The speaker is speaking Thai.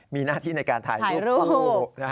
มีหน้าที่ในการถ่ายรูปคู่